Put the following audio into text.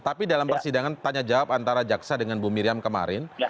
tapi dalam persidangan tanya jawab antara jaksa dengan bu miriam kemarin